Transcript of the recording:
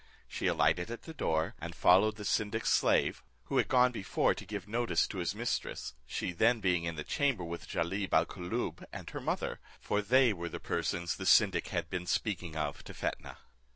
She alighted at the door, and followed the syndic's slave, who was gone before to give notice to his mistress, she being then in the chamber with Jalib al Koolloob and her mother, for they were the persons the syndic had been speaking of to Fetnah.